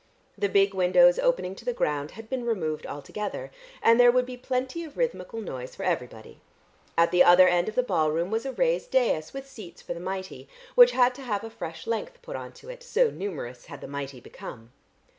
The big windows opening to the ground had been removed altogether, and there would be plenty of rhythmical noise for everybody. At the other end of the ballroom was a raised dais with seats for the mighty, which had to have a fresh length put on to it, so numerous had the mighty become.